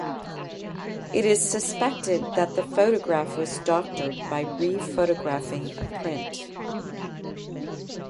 It is suspected that the photograph was doctored by re-photographing a print.